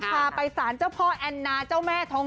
พาไปสารเจ้าพ่อแอนนาเจ้าแม่ทอง